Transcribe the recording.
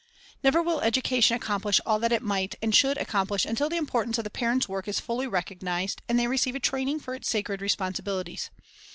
Never will education accomplish all that it might and should accomplish until the importance of the parents' work is fully recognized, and they receive a training for its sacred responsibilities.